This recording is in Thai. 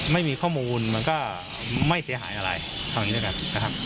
ไม่มีข้อมูลมันก็ไม่เสียหายอะไรเห็นกันนะคะ